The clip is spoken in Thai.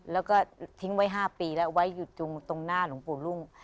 แล้วก็ทิ้งไว้๕ปีแล้วไว้อยู่ตรงหน้าหลวงปู่รุ่ง